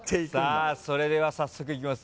さあそれでは早速いきます。